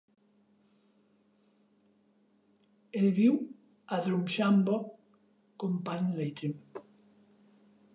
Ell viu a Drumshanbo, Company Leitrim.